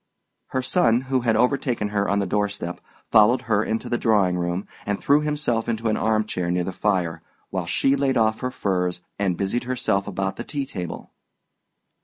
Her son, who had overtaken her on the door step, followed her into the drawing room, and threw himself into an armchair near the fire, while she laid off her furs and busied herself about the tea table.